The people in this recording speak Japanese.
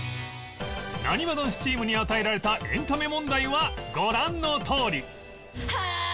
なにわ男子チームに与えられたエンタメ問題はご覧のとおり